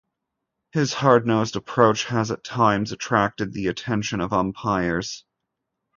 His hard-nosed approach has at times attracted the attention of umpires.